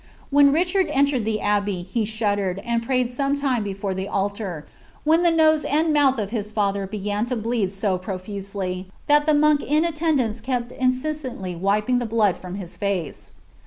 When Richard entered the ■bbor ht shuddered, and prayed some moments before the altar, when the oom and mouth of his father began to bleed so profusely, that ilie monk in attendance kepi incessandy wiping the blood from his face.